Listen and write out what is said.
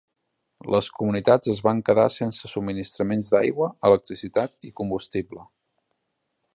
Les comunitats es van quedar sense subministraments d'aigua, electricitat i combustible.